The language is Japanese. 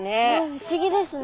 不思議ですね。